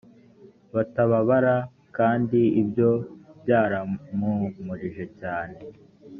batababara kandi ibyo byarampumurije cyane